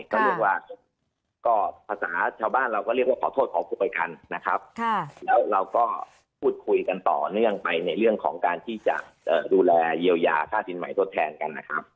ก็เรียกว่าก็ภาษาชาวบ้านเราก็เรียกว่าขอโทษขอโพยกันนะครับแล้วเราก็พูดคุยกันต่อเนื่องไปในเรื่องของการที่จะดูแลเยียวยาค่าสินใหม่ทดแทนกันนะครับ